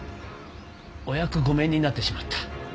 お役御免になってしまった。